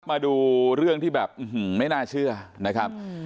มาดูเรื่องที่แบบไม่น่าเชื่อนะครับ